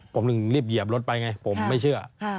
ผมถึงรีบเหยียบรถไปไงผมไม่เชื่อ